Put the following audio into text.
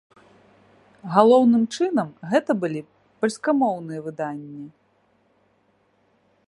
Галоўным чынам, гэта былі польскамоўныя выданні.